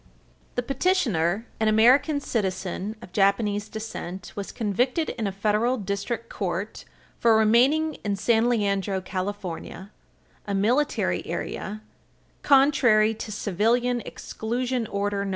The petitioner, an American citizen of Japanese descent, was convicted in a federal district court for remaining in San Leandro, California, a "Military Area," contrary to Civilian Exclusion Order No.